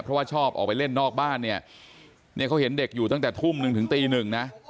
เพราะว่าชอบออกไปเล่นนอกบ้านเนี่ยเนี่ยเขาเห็นเด็กอยู่ตั้งแต่ทุ่มหนึ่งถึงตีหนึ่งนะ